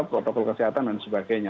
protokol kesehatan dan sebagainya